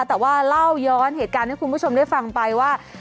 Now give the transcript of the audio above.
แต่ว่าเล่าย้อนเหตุการณ์ให้คุณผู้ชมได้ฟังไปว่า